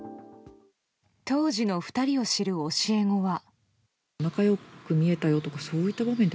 当時の２人を知る教え子は。